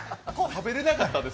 食べれなかったです。